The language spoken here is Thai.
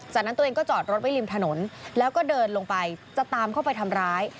จากนั้นตัวเองก็จอดรถไว้ริมถนนแล้วก็เดินลงไปจะตามเข้าไปทำร้าย